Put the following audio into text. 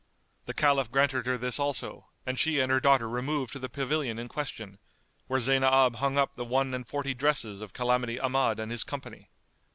The Caliph granted her this also and she and her daughter removed to the pavilion in question, where Zaynab hung up the one and forty dresses of Calamity Ahmad and his company.